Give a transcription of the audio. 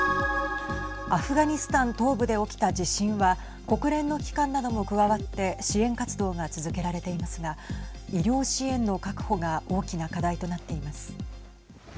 アフガニスタン東部で起きた地震は国連の機関なども加わって支援活動が続けられていますが医療支援の確保が大きな課題となっています。